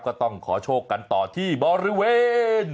ก็ต้องขอโชคกันต่อที่บริเวณ